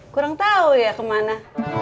kurang tau ya kemana